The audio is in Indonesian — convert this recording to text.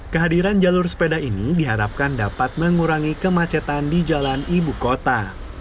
kehadiran jalur sepeda ini diharapkan dapat mengurangi kemacetan di jalan ibu kota